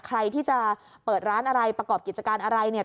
ใครที่จะเปิดร้านอะไรประกอบกิจการอะไรเนี่ย